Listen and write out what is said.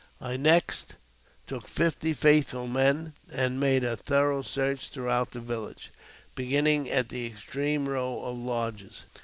I next took fifty faithful men, and made a thorough search throughout the village, beginning at the extreme row of lodges.